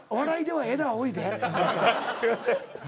はいすいません。